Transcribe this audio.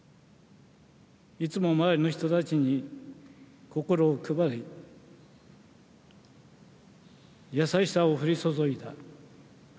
いつも周りの人たちに心を配り優しさを降り注いだ。